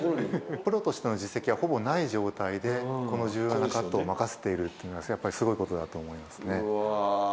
プロとしての実績がほぼない状態でこの重要なカットを任せているというのはやっぱりすごいことだと思いますね。